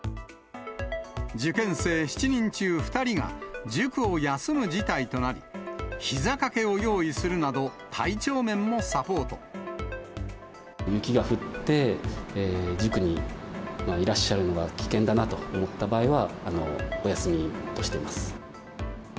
受験生７人中２人が塾を休む事態となり、ひざかけを用意する雪が降って、塾にいらっしゃるのが危険だなと思った場合はお休みとしています。